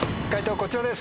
こちらです。